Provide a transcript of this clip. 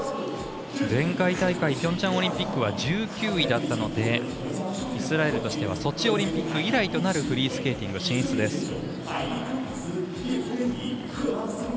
前回大会ピョンチャンオリンピックは１９位だったのでイスラエルとしてはソチオリンピック以来となるフリースケーティング進出です。